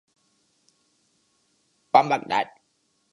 چیزوں کا تصور کرنے میں مشکل پیش آتی ہے